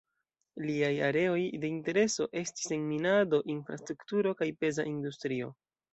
Liaj areoj de intereso estis en minado, infrastrukturo kaj peza industrio.